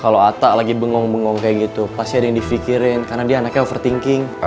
kalau atta lagi bengong bengong kayak gitu pasti ada yang difikirin karena dia anaknya overthinking